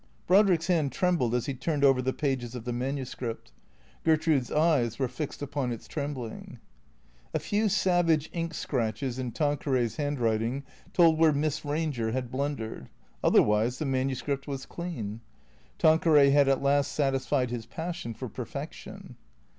Brodrick's hand trembled as he turned over the pages of the manuscript. Gertrude's eyes were fixed upon its trembling. A few savage ink scratches in Tanqueray's handwriting told where Miss Eanger had blundered; otherwise the manuscript was clean. Tanqueray had at last satisfied his passion for per fection.